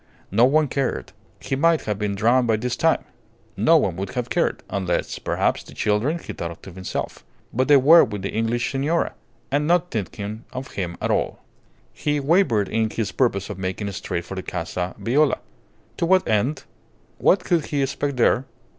No one cared. He might have been drowned by this time. No one would have cared unless, perhaps, the children, he thought to himself. But they were with the English signora, and not thinking of him at all. He wavered in his purpose of making straight for the Casa Viola. To what end? What could he expect there?